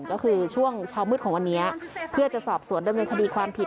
ก็คือช่วงเช้ามืดของวันนี้เพื่อจะสอบสวนดำเนินคดีความผิด